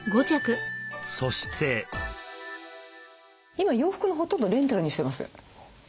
今洋服のほとんどをレンタルにしてます。